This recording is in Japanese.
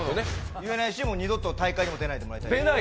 言えないし、もう二度と大会にも出ないつもりです。